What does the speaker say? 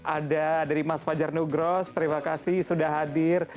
ada dari mas fajar nugros terima kasih sudah hadir